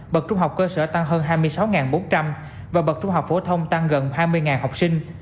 bậc trung học cơ sở tăng hơn hai mươi sáu bốn trăm linh và bậc trung học phổ thông tăng gần hai mươi học sinh